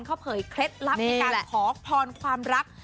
เขาเผยเคล็ดลับในการขอพรความรัก